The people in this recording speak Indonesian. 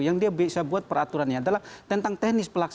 yang dia bisa buat peraturannya adalah tentang teknis pelaksanaan